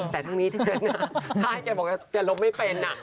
แต่ตรงนี้ที่เชิญนะถ้าให้แกบอกอย่าลบไม่เป็น